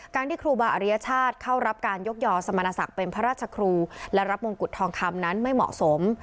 การที่ครูบาอริยชาติเข้ารับการยกยอสมณศักดิ์เป็นพระราชครูและรับมงกุฎทองคำนั้นไม่เหมาะสม